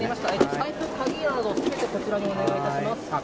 財布、鍵はすべてこちらにお願いいたします。